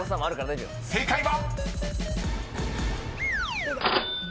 ［正解は⁉］え！